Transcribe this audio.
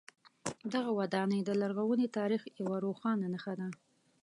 دغه ودانۍ د لرغوني تاریخ یوه روښانه نښه ده.